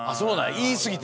言いすぎて？